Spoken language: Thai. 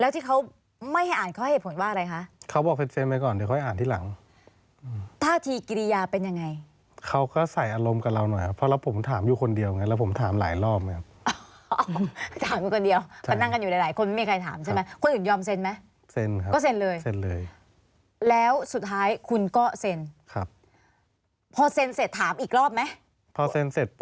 ตรงหัวกระดาษหลังจะตาคุดลงเมื่อเขียนเลยบันทึกคำพบสารภาพ